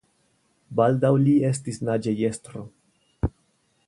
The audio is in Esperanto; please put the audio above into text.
Baldaŭ li estis naĝejestro.